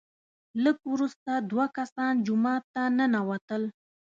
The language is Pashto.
لږ وروسته دوه کسان جومات ته ننوتل،